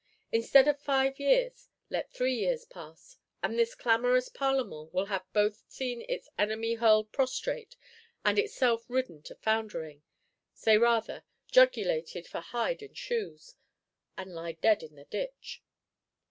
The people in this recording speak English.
Instead of five years, let three years pass, and this clamorous Parlement shall have both seen its enemy hurled prostrate, and been itself ridden to foundering (say rather, jugulated for hide and shoes), and lie dead in the ditch.